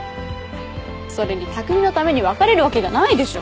それに匠のために別れるわけがないでしょ。